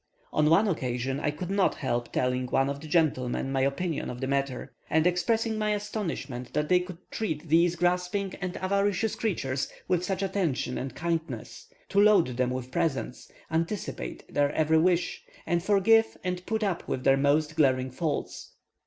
On one occasion I could not help telling one of the gentlemen my opinion of the matter, and expressing my astonishment that they could treat these grasping and avaricious creatures with such attention and kindness, to load them with presents, anticipate their every wish, and forgive and put up with their most glaring faults.